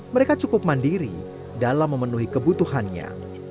mereka cukup mandiri dalam memenuhi kebutuhannya